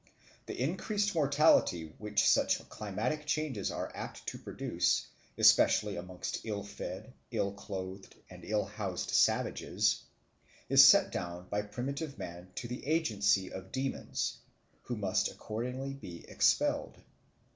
The increased mortality which such climatic changes are apt to produce, especially amongst ill fed, ill clothed, and ill housed savages, is set down by primitive man to the agency of demons, who must accordingly be expelled.